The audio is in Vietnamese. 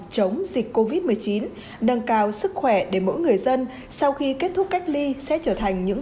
chống dịch covid một mươi chín nâng cao sức khỏe để mỗi người dân sau khi kết thúc cách ly sẽ trở thành những